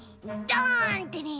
ドンってね！